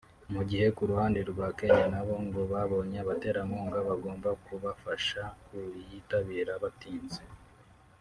mu gihe ku ruhande rwa Kenya na bo ngo babonye abaterankunga bagomba kubafasha kuyitabira batinze